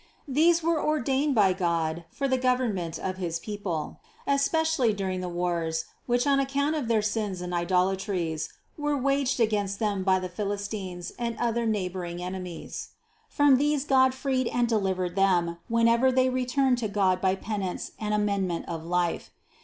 These were ordained by God for the government of his people, especially during the wars, which on account of their sins and idolatries were waged against them by the Philistines and other neighboring enemies. From these God freed and deliv ered them, whenever they returned to God by penance and amendment of life.